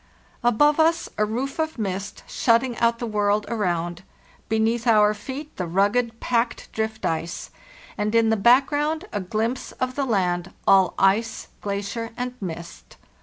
Above us a roof of mist shutting out the world around, beneath our feet the rugged, packed drift ice, and in the background a glimpse of the land, all ice, glacier, and mist.